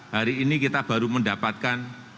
hari ini kita baru mendapatkan